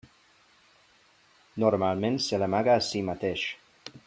Normalment se l'amaga a si mateix.